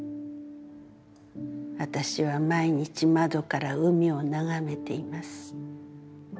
私は毎日窓から海をながめています。